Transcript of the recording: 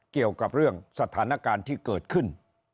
เกี่ยวกับเรื่องสถานการณ์ที่เกิดขึ้น